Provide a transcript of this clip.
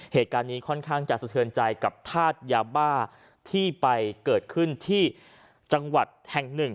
เหตุการณ์นี้ค่อนข้างจะสะเทือนใจกับธาตุยาบ้าที่ไปเกิดขึ้นที่จังหวัดแห่งหนึ่ง